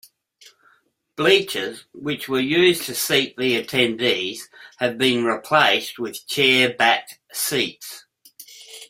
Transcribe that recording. Bleachers, which were used to seat the attendees, have been replaced with chair-back seats.